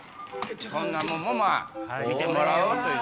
そんなもんも見てもらおうという。